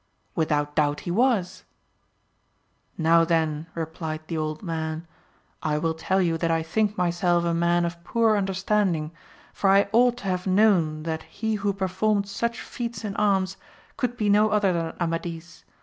— With out doubt he was. Now then, replied the old man, I will tell you that I think myself a man of poor under standing, for I ought to have known thai he who per formed such feats in arms could be no other than Amadis.